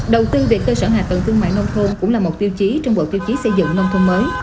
đầu tư về cơ sở hạ tầng thương mại nông thôn cũng là một tiêu chí trong bộ tiêu chí xây dựng nông thôn mới